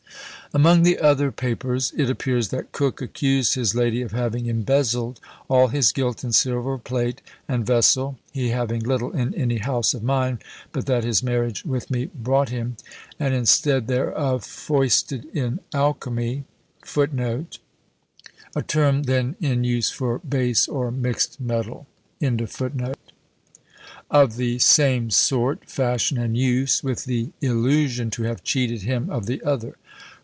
Among the other papers it appears that Coke accused his lady of having "embezzled all his gilt and silver plate and vessell (he having little in any house of mine, but that his marriage with me brought him), and instead thereof foisted in alkumy of the same sorte, fashion, and use, with the illusion to have cheated him of the other."